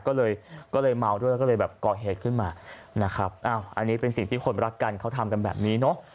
ก็เลยก็เลยเมาด้วยแล้วก็เลยแบบก่อเหตุขึ้นมานะครับอ้าวอันนี้เป็นสิ่งที่คนรักกันเขาทำกันแบบนี้เนอะ